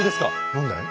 何だい？